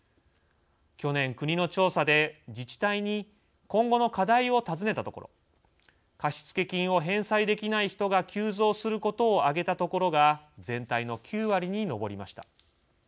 去年、国の調査で自治体に今後の課題を尋ねたところ貸付金を返済できない人が急増することを挙げた所が全体の９割に上りました。